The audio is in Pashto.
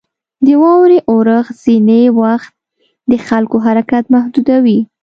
• د واورې اورښت ځینې وخت د خلکو حرکت محدودوي.